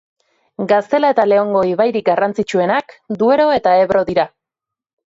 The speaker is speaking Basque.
Gaztela eta Leongo ibairik garrantzitsuenak Duero eta Ebro dira.